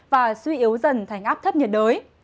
và suy yếu dần thành áp thấp nhiệt đới